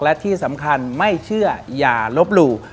และที่สำคัญไม่เชื่ออย่าลบหลู่